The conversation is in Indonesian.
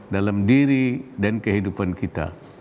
dalam diri dan kehidupan kita